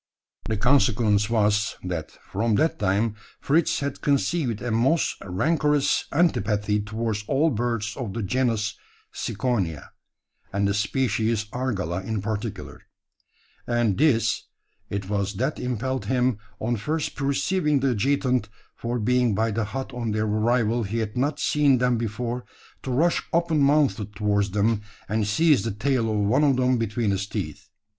The consequence was, that, from that time, Fritz had conceived a most rancorous antipathy towards all birds of the genus Ciconia and the species Argala in particular; and this it was that impelled him, on first perceiving the adjutant for being by the hut on their arrival he had not seen them before, to rush open mouthed towards them, and seize the tail of one of them between his teeth.